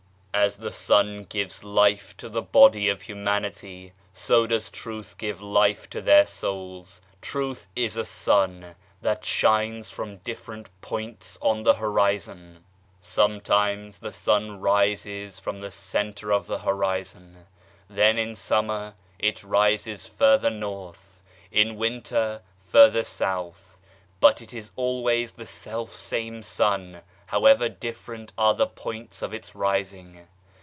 As the Sun gives life to the body of humanity so does Truth give life to their souls. Truth is a sun that rises from different points on the horizon. Sometimes the sun rises from the centre of the horizon, then in summer it rises further north, in winter further south but it is always the self same sun, however different are the points of its rising.